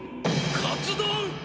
カツ丼！